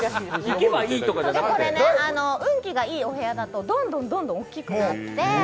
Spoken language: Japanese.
運気がいいお部屋だと、どんどん大きくなって。